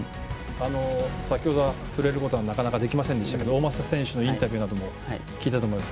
先ほど、触れることはなかなかできませんでしたが大政涼選手のインタビューなども聞いたと思います。